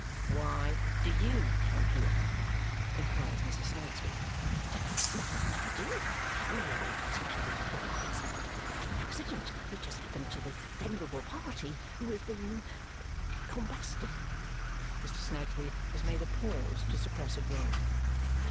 "Why do YOU come here?" inquires Mrs. Snagsby. "My dear, merely to know the rights of the fatal accident which has happened to the venerable party who has been combusted." Mr. Snagsby has made a pause to suppress a groan.